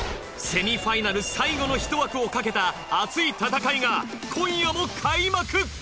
セミファイナル最後のひと枠をかけた熱い戦いが今夜も開幕。